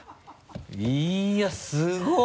いやすごい！